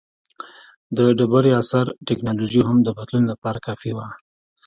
د ډبرې عصر ټکنالوژي هم د بدلون لپاره کافي وه.